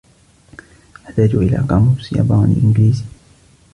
أحتاج إلى قاموس ياباني-إنجليزي.